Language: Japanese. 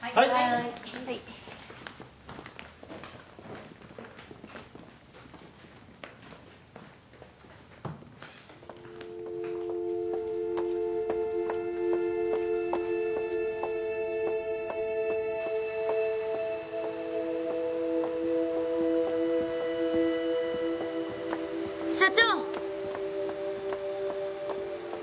はい社長！